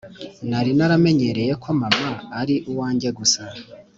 Nari naramenyereye ko mama ari uwanjye gusa